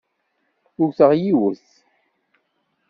Wteɣ yiwet.